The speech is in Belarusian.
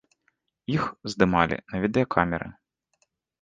Іх здымалі на відэакамеры.